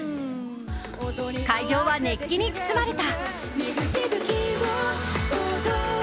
会場は熱気に包まれた。